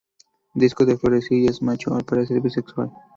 Disco de florecillas macho, al parecer, bisexual.